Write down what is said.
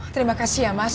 terima kasih ya mas